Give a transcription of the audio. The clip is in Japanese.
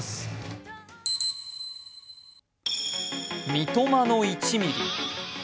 三笘の１ミリ。